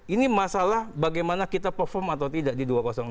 ini masalah bagaimana kita perform atau tidak di dua ratus dua